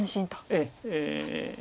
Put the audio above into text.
ええ。